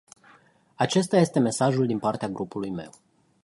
Acesta este mesajul din partea grupului meu.